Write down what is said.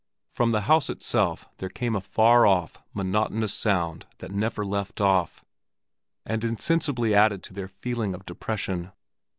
From the house itself there came a far off, monotonous sound that never left off, and insensibly added to their feeling of depression.